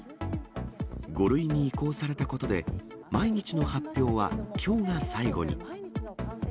５類に移行されたことで、毎日の発表はきょうが最後に。